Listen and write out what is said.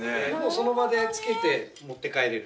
その場で着けて持って帰れる。